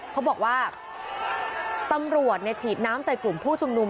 เขาบอกว่าตำรวจฉีดน้ำใส่กลุ่มผู้ชุมนุม